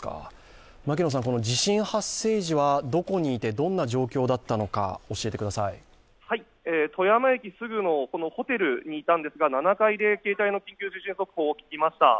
この地震発生時はどこにいてどんな状況だったのか富山駅すぐのホテルにいたんですが、７階で携帯の緊急地震速報を聞きました。